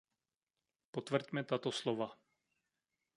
Potvrďme tato slova.